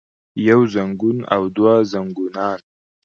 يو زنګون او دوه زنګونان